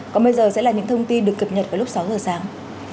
còn bây giờ sẽ là những thông tin được cập nhật vào lúc sáu giờ sáng